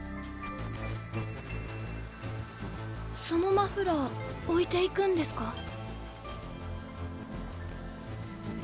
そのマフラー置いていくんですか？